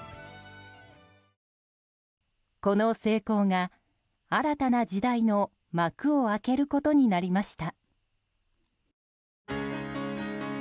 この成功が新たな時代の幕を開けることになりました。